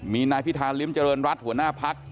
มีนายพิธาริมเจริญรัฐหัวหน้าพัก